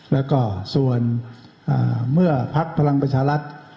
แล้วก็ส่วนอ่าเมื่อพลักษณ์พลังประชาลัทธ์